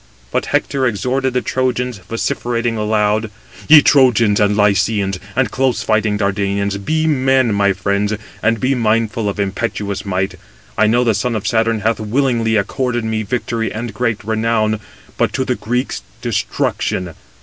But Hector exhorted the Trojans, vociferating aloud: "Ye Trojans and Lycians, and close fighting Dardanians, be men, my friends, and be mindful of impetuous might! I know the son of Saturn hath willingly accorded me victory and great renown, but to the Greeks destruction.